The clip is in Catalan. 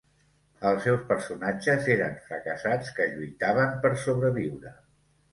Els seus personatges eren fracassats que lluitaven per sobreviure.